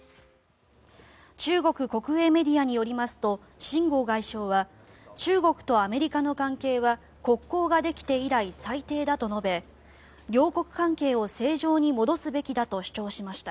中国国営メディアによりますと秦剛外相は中国とアメリカの関係は国交ができて以来最低だと述べ両国関係を正常に戻すべきだと主張しました。